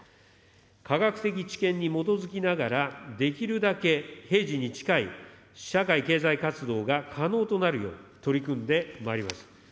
科学的知見に基づきながら、できるだけ平時に近い社会経済活動が可能となるよう、取り組んでまいります。